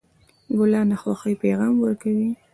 ګلان د خوښۍ پیغام ورکوي.